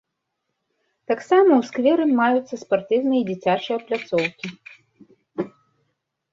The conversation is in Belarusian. Таксама ў скверы маюцца спартыўная і дзіцячая пляцоўкі.